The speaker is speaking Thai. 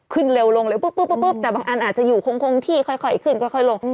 ขึ้นเร็วลงแต่บางะอาจจะคงอยู่ที่ค่อยขึ้นค่อยลง